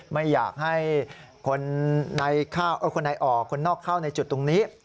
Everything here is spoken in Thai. ไม่อยากให้คนในออกคนนอกเข้าในจุดตรงนี้